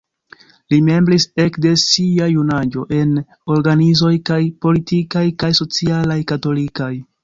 Li membris ekde sia junaĝo en organizoj kaj politikaj kaj socialaj katolikaj.